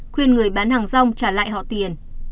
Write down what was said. khuyên người bán hàng rong trả lại họ tiền